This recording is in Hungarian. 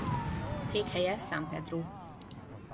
Székhelye San Pedro.